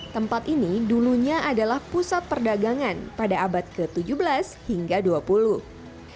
tempat ini dulunya adalah pusat perdagangan pada abad ke tujuh belas hingga dua puluh